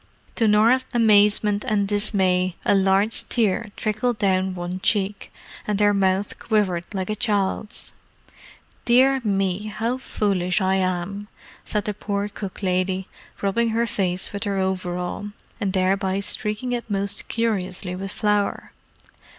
To Norah's amazement and dismay a large tear trickled down one cheek, and her mouth quivered like a child's. "Dear me, how foolish I am," said the poor cook lady, rubbing her face with her overall, and thereby streaking it most curiously with flour.